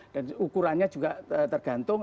dan ukurannya juga tergantung